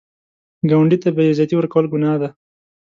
ګاونډي ته بې عزتي ورکول ګناه ده